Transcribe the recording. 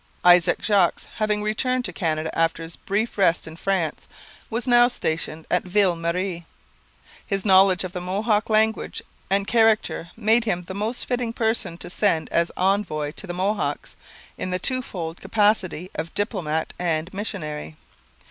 Isaac Jogues, having returned to Canada after his brief rest in France, was now stationed at Ville Marie. His knowledge of the Mohawk language and character made him the most fitting person to send as envoy to the Mohawks, in the twofold capacity of diplomat and missionary.